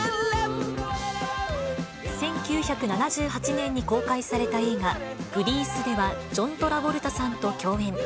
１９７８年に公開された映画、グリースでは、ジョン・トラボルタさんと共演。